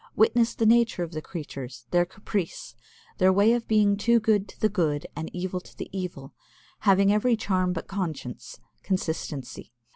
Witness the nature of the creatures, their caprice, their way of being good to the good and evil to the evil, having every charm but conscience consistency.